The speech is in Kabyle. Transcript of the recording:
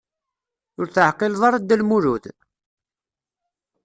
Ur teɛqileḍ ara Dda Lmulud?